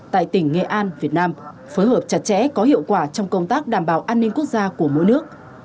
tại tỉnh nghệ an việt nam phối hợp chặt chẽ có hiệu quả trong công tác đảm bảo an ninh quốc gia của mỗi nước